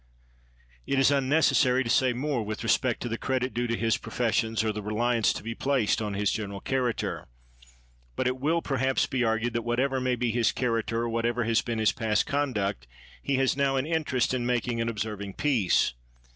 It is unnecessary to say more with respect to the credit due to his professions or the reliance to be placed on his general character. But it will perhaps be argued that whatever may be his character or whatever has been his past conduct, he has now an interest in making and observing peace.